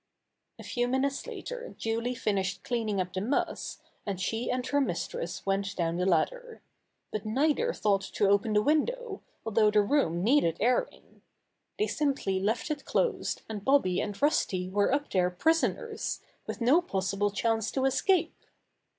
A few minutes later Julie finished cleaning up the muss, and she and her mistress went down the ladder. But neither thought to open the window, although the room needed airing. They simply left it closed, and Bobby and Rusty were up there prisoners, with no possible chance to escape.